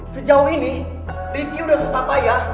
sejauh ini rifki sudah susah payah